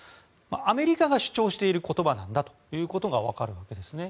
アメリカが主張している言葉なんだということがわかるわけなんですね。